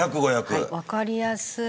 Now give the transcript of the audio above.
わかりやすい。